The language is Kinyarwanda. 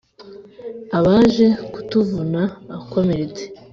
Abaje kutuvuna akomeretse